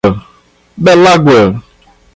Belágua